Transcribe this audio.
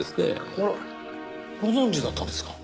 あらご存じだったんですか。